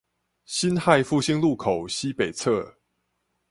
辛亥復興路口西北側